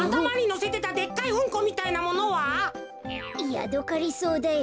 ヤドカリソウだよ。